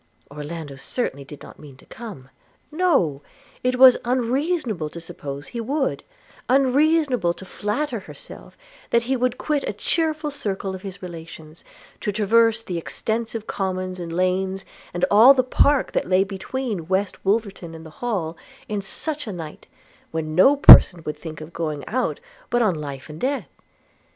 – Orlando certainly did not mean to come – no! it was unreasonable to suppose he would; unreasonable to flatter herself that he would quit a cheerful circle of his relations, to traverse the extensive commons and lanes, and all the park, that lay between West Wolverton and the Hall, in such a night, when no person would think of going out but on life and death.